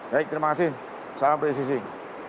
baik terima kasih salam berisik isik